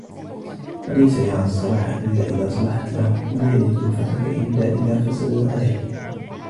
فَلَيْسَ يَرَى الصَّلَاحَ إلَّا إذَا صَلَحَتْ لَهُ وَلَا يَجِدُ الْفَسَادَ إلَّا إذَا فَسَدَتْ عَلَيْهِ